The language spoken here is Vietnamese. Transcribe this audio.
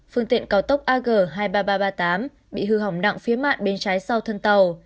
phương tiện cao tốc ag hai mươi ba nghìn ba trăm ba mươi tám bị hư hỏng nặng phía mặt bên trái sau thân tàu